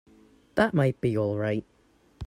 That might be all right.